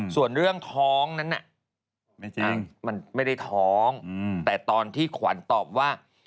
ส่วนเรื่องท้องนั้นน่ะมันไม่ได้ท้องแต่ตอนที่ขวัญตอบว่า